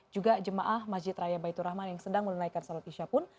juga jemaah masjid raya baitur rahman yang sedang menunaikan sholat isya pun